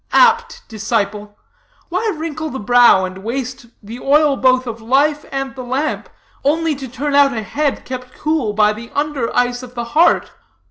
Apt disciple! Why wrinkle the brow, and waste the oil both of life and the lamp, only to turn out a head kept cool by the under ice of the heart?